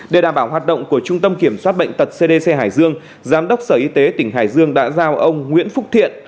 để đảm bảo hoạt động của trung tâm kiểm soát bệnh tật cdc hải dương giám đốc sở y tế tỉnh hải dương đã giao ông nguyễn phúc thiện